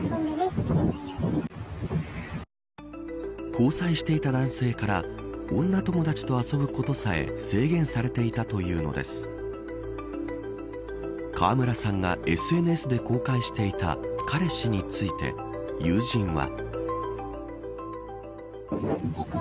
交際していた男性から女友達と遊ぶことさえ制限されていたというのです川村さんがＳＮＳで公開していた彼氏について友人は。